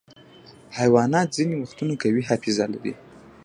حیوانات ځینې وختونه قوي حافظه لري.